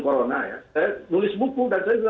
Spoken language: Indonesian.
corona ya saya menulis buku dan saya